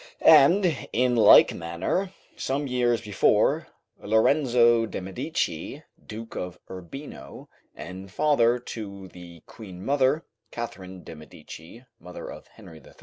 And, in like manner, some years before, Lorenzo de' Medici, Duke of Urbino, and father to the queen mother [Catherine de' Medici, mother of Henry III.